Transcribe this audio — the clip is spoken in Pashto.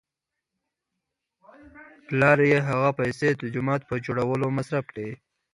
پلار یې هغه پیسې د جومات په جوړولو کې مصرف کړې.